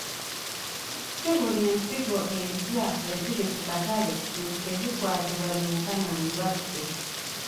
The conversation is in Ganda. Si buli nsigo empya eziri ku katale nti tezikwatibwa biwuka na ndwadde.